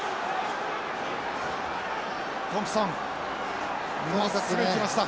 トンプソンまっすぐいきました。